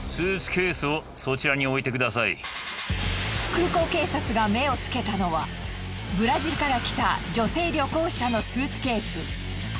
空港警察が目をつけたのはブラジルから来た女性旅行者のスーツケース。